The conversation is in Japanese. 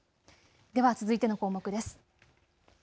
では続いての項目です。